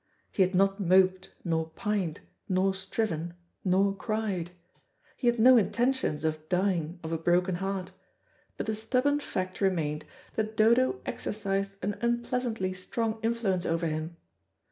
He had not moped, nor pined, nor striven, nor cried. He had no intentions of dying of a broken heart, but the stubborn fact remained that Dodo exercised an unpleasantly strong influence over him.